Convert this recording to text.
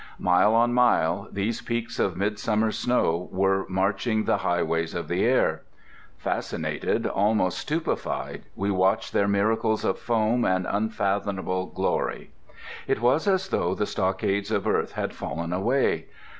Mile on mile, those peaks of midsummer snow were marching the highways of the air. Fascinated, almost stupefied, we watched their miracles of form and unfathomable glory. It was as though the stockades of earth had fallen away.